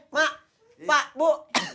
mak pak bu